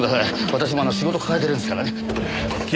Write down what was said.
私も仕事抱えてるんですからね。